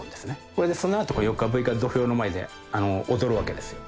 それでそのあと、ヨッカブイが土俵の前で踊るわけですよ。